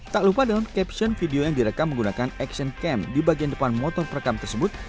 tak lupa dalam caption video yang direkam menggunakan action camp di bagian depan motor perekam tersebut